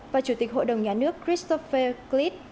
và chủ tịch hội đồng nhà nước christopher cleese